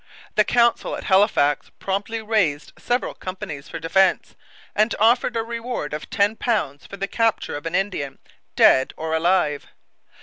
The Council at Halifax promptly raised several companies for defence, and offered a reward of 10 pounds for the capture of an Indian, dead or alive.